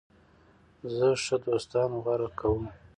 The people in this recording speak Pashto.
زه ښه دوستان غوره کوم.